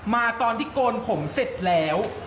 มาตอนที่โกนผมเสร็จแล้ว